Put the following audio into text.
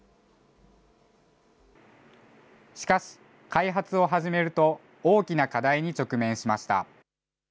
しかし、開発を始めると、大きな課題に直面しました。